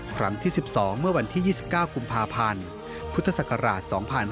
ครั้งที่๑๒เมื่อวันที่๒๙กุมภาพันธ์พุทธศักราช๒๕๕๙